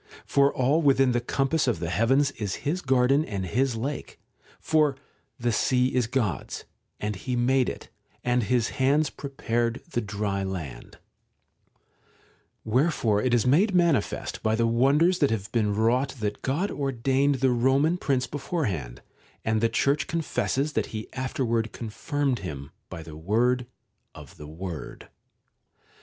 For all within the compass of the heavens is his garden and his lake ; for ' the sea is God's, and He made it, and His hands prepared the dry land\ Wherefore it is made manifest by the wonders that have been wrought that God ordained the Eoman Prince beforehand, and the Church confesses that He afterward confirmed him by the word of the Word.